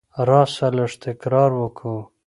راسه! لږ تکرار وکو.